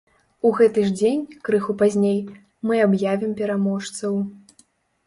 У гэты ж дзень, крыху пазней, мы аб'явім пераможцаў!